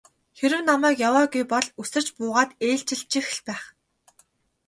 Хэрэв намайг яваагүй бол үсэрч буугаад ээлжилчих л байх.